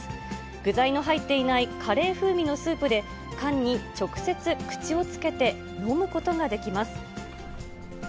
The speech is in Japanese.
具材の入っていないカレー風味のスープで、缶に直接口をつけて飲むことができます。